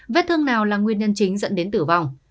vết thương nào là nguyên nhân chính dẫn đến tử vong